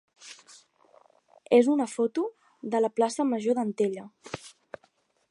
és una foto de la plaça major d'Antella.